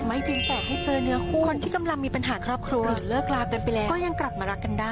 เพียงแต่ให้เจอเนื้อคู่คนที่กำลังมีปัญหาครอบครัวหรือเลิกลากันไปแล้วก็ยังกลับมารักกันได้